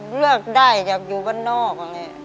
เลือกได้อยากอยู่บนนอก